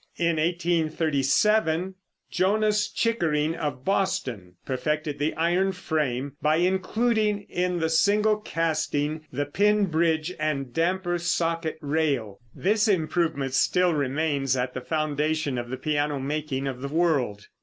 In 1837, Jonas Chickering, of Boston, perfected the iron frame by including in the single casting the pin bridge and damper socket rail. This improvement still remains at the foundation of the piano making of the world.